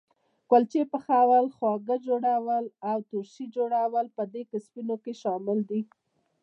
کلچې پخول، خواږه جوړول او ترشي جوړول په دې کسبونو کې شامل دي.